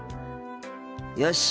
よし。